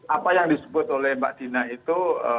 apa yang disebut oleh mbak dina itu